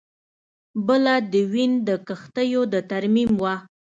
بله د وین د کښتیو د ترمیم وه